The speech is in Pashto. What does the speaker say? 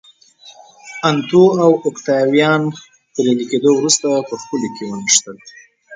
انتو او اوکتاویان بریالي کېدو وروسته په خپلو کې ونښتل